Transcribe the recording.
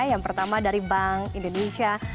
yang pertama dari bank indonesia